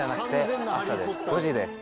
５時です